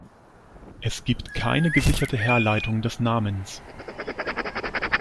Es gibt keine gesicherte Herleitung des Namens.